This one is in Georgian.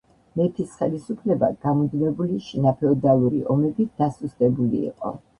მეფის ხელისუფლება გამუდმებული შინაფეოდალური ომებით დასუსტებული იყო.